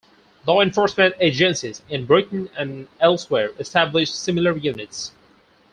Law enforcement agencies, in Britain and elsewhere, established similar units.